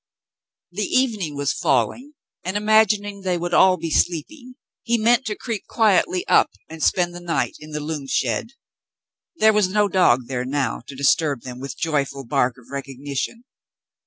The evening was falling, and, imagining they would all be sleeping, he meant to creep quietly up and spend the night in the loom shed. There was no dog there now to disturb them with joyful bark of recognition.